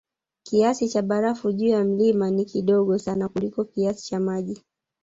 Kiasi cha barafu juu ya mlima ni kidogo sana kuliko kiasi cha maji